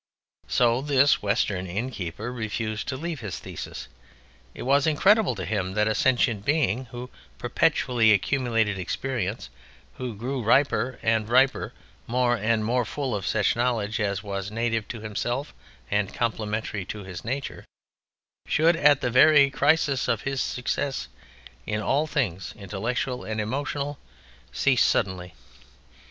So this Western innkeeper refused to leave his thesis. It was incredible to him that a Sentient Being who perpetually accumulated experience, who grew riper and riper, more and more full of such knowledge as was native to himself and complementary to his nature, should at the very crisis of his success in all things intellectual and emotional, cease suddenly.